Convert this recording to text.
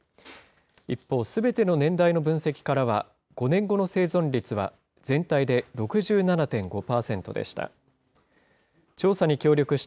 一方、すべての年代の分析からは、５年後の生存率は全体で６７．５％でした。